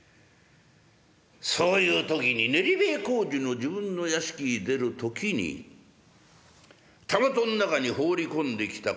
そういう時に練塀小路の自分の屋敷出る時にたもとの中に放り込んできた